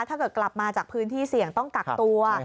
ถ้าเกิดกลับมาจากพื้นที่เสี่ยงต้องกักตัว